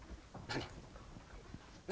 何？